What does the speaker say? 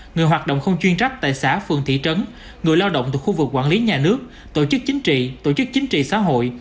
người hoạt động không chuyên trách tại xã phường thị trấn người lao động từ khu vực quản lý nhà nước tổ chức chính trị tổ chức chính trị xã hội